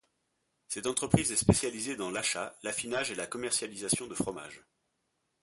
Cette entreprise est spécialisée dans l'achat, l'affinage et la commercialisation de fromages.